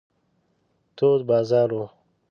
تود بازار و.